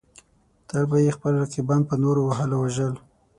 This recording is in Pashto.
تل به یې خپل رقیبان په نورو وهل او وژل.